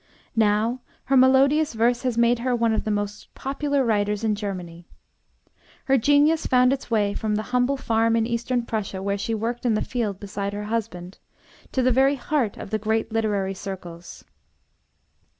Now her melodious verse has made her one of the most popular writers in Germany. Her genius found its way from the humble farm in Eastern Prussia, where she worked in the field beside her husband, to the very heart of the great literary circles.